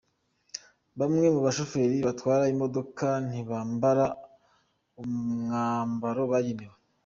Bamwe mu bashoferi batwara i modoka ntibambara umwambaro wabagenewe